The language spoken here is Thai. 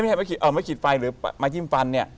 เอาไม้ขีดไฟหรือไม้จิ้มฟัน